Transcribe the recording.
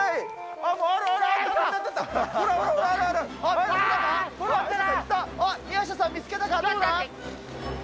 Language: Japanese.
あっ、宮下さん、見つけたか。